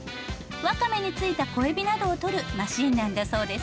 わかめについた小エビなどを取るマシンなんだそうです。